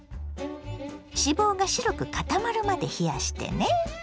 脂肪が白く固まるまで冷やしてね。